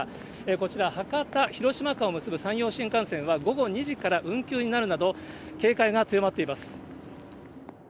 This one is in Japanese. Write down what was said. こちら、博多・広島間を結ぶ山陽新幹線は午後２時から運休になるなど、警戒が強まっています。